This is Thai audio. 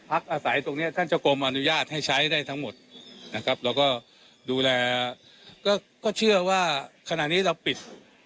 อาศัยตรงนี้ท่านเจ้ากรมอนุญาตให้ใช้ได้ทั้งหมดนะครับเราก็ดูแลก็เชื่อว่าขณะนี้เราปิด